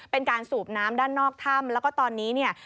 เป็นการสูบน้ำด้านนอกถ้ำแล้วก็ตอนนี้เนี่ย